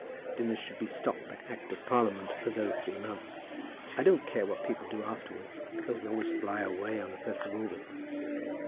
Dinners should be stopped by Act of Parliament for those three months. I don't care what people do afterwards, because we always fly away on the first of August.